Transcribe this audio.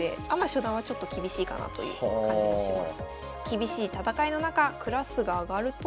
初段はちょっと厳しいかなという感じがします。